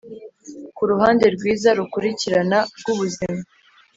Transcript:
kuruhande rwiza rukurikirana rwubuzima